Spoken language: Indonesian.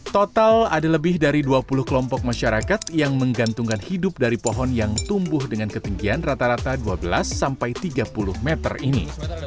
total ada lebih dari dua puluh kelompok masyarakat yang menggantungkan hidup dari pohon yang tumbuh dengan ketinggian rata rata dua belas sampai tiga puluh meter ini